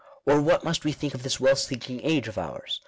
— Or what must we think of this wealth seeking age of ours